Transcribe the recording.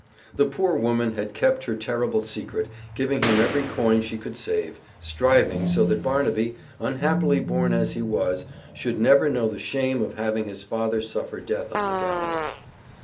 The poor woman had kept her terrible secret, giving him every coin she could save, striving so that Barnaby, unhappily born as he was, should never know the shame of having his father suffer death on the gallows.